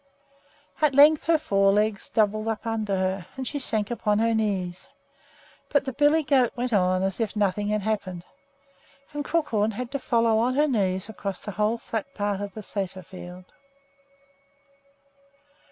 At length her fore legs doubled up under her and she sank upon her knees; but the billy goat went on as if nothing had happened, and Crookhorn had to follow on her knees across the whole flat part of the sæter field.